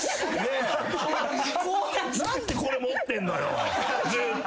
何でこれ持ってんのよずっと。